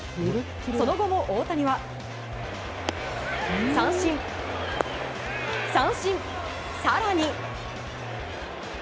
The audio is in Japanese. その後も大谷は三振、三振、更に。